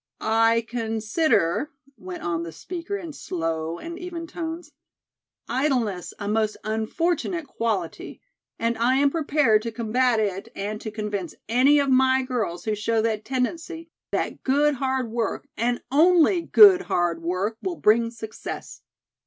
"I consider," went on the speaker in slow and even tones, "idleness a most unfortunate quality, and I am prepared to combat it and to convince any of my girls who show that tendency that good hard work and only good hard work will bring success.